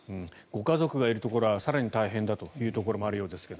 ご家族がいるところは更に大変だというところもあるようですが。